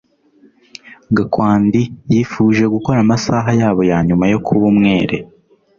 Gakwandi yifuje gukora amasaha yabo ya nyuma yo kuba umwere